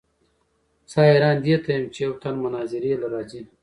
زۀ حېران دې ته يم چې يو تن مناظرې له راځي